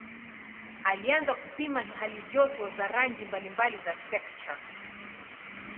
Alianza kupima halijoto za rangi mbalimbali za spektra.